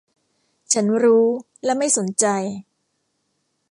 ฉันรู้ และไม่สนใจ